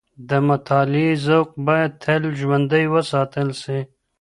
د مطالعې ذوق باید تل ژوندی وساتل سي.